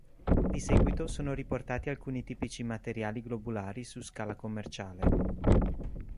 Di seguito sono riportati alcuni tipici materiali globulari su scala commerciale.